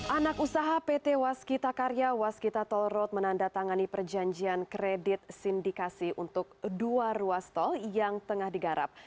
anak usaha pt waskita karya waskita tol road menandatangani perjanjian kredit sindikasi untuk dua ruas tol yang tengah digarap